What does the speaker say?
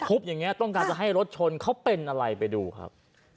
อย่างนี้ต้องการจะให้รถชนเขาเป็นอะไรไปดูครับ